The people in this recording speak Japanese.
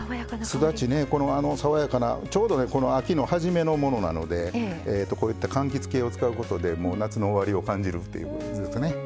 すだちねこの爽やかなちょうどねこの秋の初めのものなのでこういったかんきつ系を使うことでもう夏の終わりを感じるっていうことですかね。